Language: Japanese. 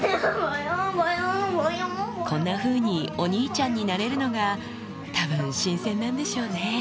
こんなふうにお兄ちゃんになれるのが、たぶん、新鮮なんでしょうね。